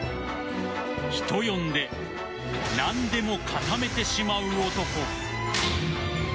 人呼んで何でも固めてしまう男。